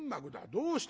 どうした？